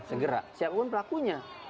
segera siapapun pelakunya